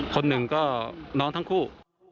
คนหนึ่งก็น้องทั้งคู่